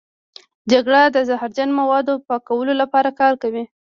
جگر د زهرجن موادو پاکولو لپاره کار کوي.